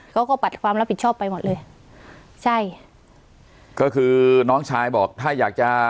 เขาก็ปัดความรับผิดชอบไปหมดเลยใช่ก็คือน้องชายบอกถ้าอยากจะ